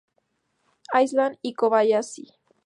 Island y Kobayashi.